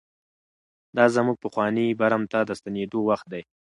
دا زموږ پخواني برم ته د ستنېدو وخت دی.